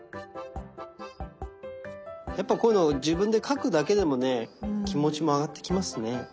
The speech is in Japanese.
やっぱこういうの自分で描くだけでもね気持ちも上がってきますね。